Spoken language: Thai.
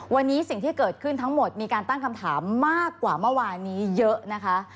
วันนี้สิ่งที่เกิดขึ้นทั้งหมดมีการตั้งคำถามมากกว่าเมื่อวานนี้เยอะนะคะ